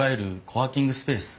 コワーキングスペース？